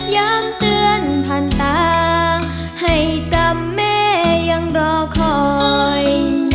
เตือนผ่านตาให้จำแม่ยังรอคอย